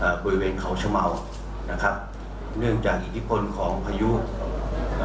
บริเวณเขาชะเมานะครับเนื่องจากอิทธิพลของพายุเอ่อ